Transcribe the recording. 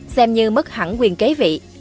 xem như mất hẳn quyền kế vị